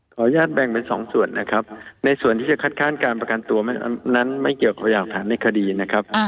แบ่งเป็นสองส่วนนะครับในส่วนที่จะคัดค้านการประกันตัวนั้นไม่เกี่ยวกับหลักฐานในคดีนะครับ